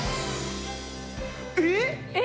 えっ！？